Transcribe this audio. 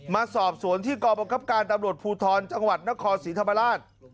มาสอบสวนที่กรบังคับการตำรวจภูทรจังหวัดนครศรีธรรมราช